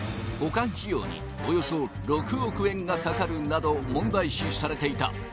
保管費用におよそ６億円がかかるなど問題視されていた。